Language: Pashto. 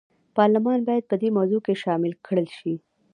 پارلمان باید په دې موضوع کې شامل کړل شي.